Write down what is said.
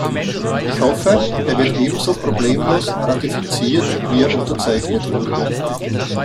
Ich hoffe, er wird ebenso problemlos ratifiziert wie er unterzeichnet wurde.